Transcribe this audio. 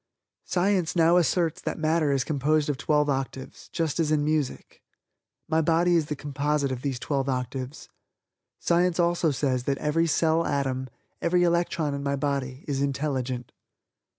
Science now asserts that matter is composed of twelve octaves, just as in music. My body is the composite of these twelve octaves. Science also says that every cell atom, every electron in my body is intelligent.